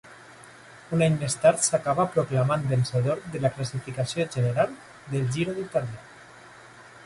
Un any més tard s'acabà proclamant vencedor de la classificació general del Giro d'Itàlia.